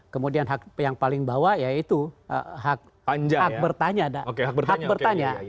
kemudian yang paling bawah yaitu hak bertanya